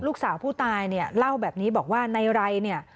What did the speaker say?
ลูกสาวผู้ตายเล่าแบบนี้บอกว่านายไร